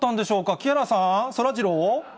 木原さん、そらジロー。